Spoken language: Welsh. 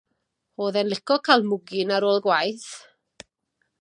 O'dd e'n lico ca'l mwgyn ar ôl gwaith.